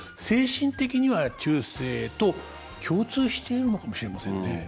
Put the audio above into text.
精神的には中世と共通しているのかもしれませんね。